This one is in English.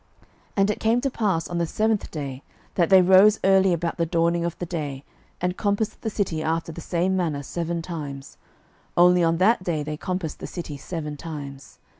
06:006:015 And it came to pass on the seventh day, that they rose early about the dawning of the day, and compassed the city after the same manner seven times: only on that day they compassed the city seven times.